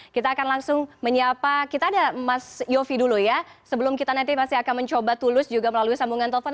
kita akan langsung menyapa kita ada mas yofi dulu ya sebelum kita nanti masih akan mencoba tulus juga melalui sambungan telepon